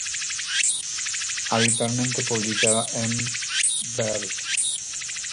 Habitualmente publicaba en: "Vers.